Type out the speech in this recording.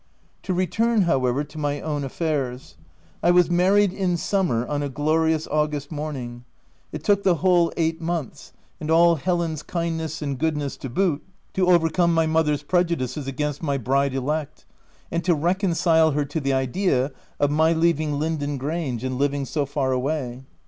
To return, however, to my own affairs: I was married in summer, on a glorious August morning. It took the whole eight months, and all Helen's kindness and goodness to boot, to overcome my mother's prejudices against my bride elect, and to reconcile her to the idea of my leaving Linden Grange and living so far away.